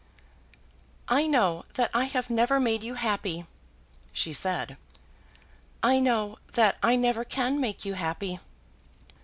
"I know that I have never made you happy," she said. "I know that I never can make you happy."